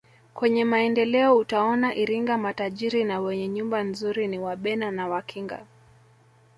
Kwenye Maendeleo utaona Iringa matajiri na wenye nyumba nzuri ni wabena na wakinga